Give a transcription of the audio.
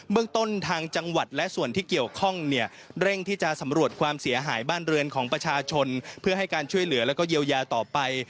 เมืองต้นทางจังหวัดและส่วนที่เกี่ยวข้องเนี่ยเร่งที่จะสำรวจความเสียหายบ้านเรือนของประชาชนเพื่อให้การช่วยเหลือแล้วก็เยียวยาต่อไป